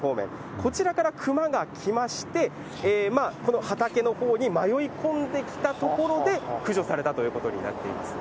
こちらから熊が来まして、この畑のほうに迷い込んできたところで駆除されたということになっていますね。